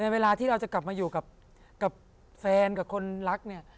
เวลาที่เราจะกลับมาอยู่กับแฟนกับคนรักเนี่ย